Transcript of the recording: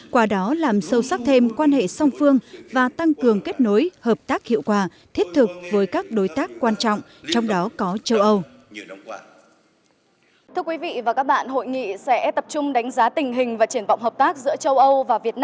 qua đó làm sâu sắc thêm quan hệ song phương và tăng cường kết nối hợp tác hiệu quả thiết thực với các đối tác quan trọng trong đó có châu âu